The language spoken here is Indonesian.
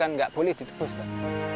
nggak boleh ditepus pak